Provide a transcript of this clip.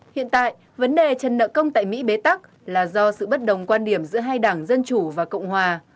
hiện tại vấn đề trần nợ công tại mỹ bế tắc là do sự bất đồng quan điểm giữa hai đảng dân chủ và cộng hòa